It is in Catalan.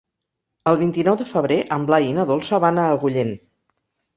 El vint-i-nou de febrer en Blai i na Dolça van a Agullent.